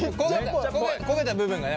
焦げた部分がね